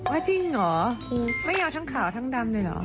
ว่าจริงเหรอไม่เอาทั้งขาวทั้งดำเลยเหรอ